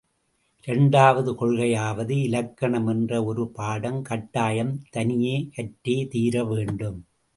இரண்டாவது கொள்கையாவது இலக்கணம் என்ற ஒரு பாடம் கட்டாயம் தனியே கற்றே தீரவேண்டும்.